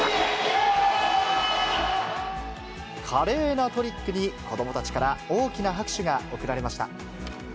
華麗なトリックに、子どもたちから大きな拍手が送られました。